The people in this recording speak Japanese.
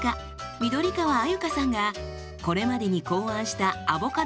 緑川鮎香さんがこれまでに考案したアボカドレシピ